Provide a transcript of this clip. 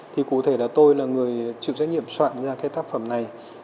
thì cụ thể là tôi là người chịu trách nhiệm soạn ra cái tác phẩm này